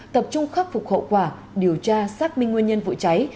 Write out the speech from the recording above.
tập trung khắc phục hậu quả điều tra xác minh nguyên nhân vụ cháy